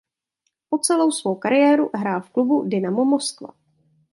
Po celou svou kariéru hrál v klubu Dynamo Moskva.